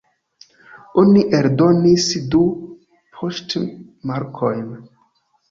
Oni eldonis du poŝtmarkojn.